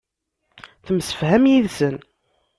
Temsefham yid-sen.